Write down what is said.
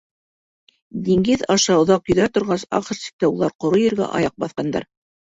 Диңгеҙ аша оҙаҡ йөҙә торғас, ахыр сиктә, улар ҡоро ергә аяҡ баҫҡандар.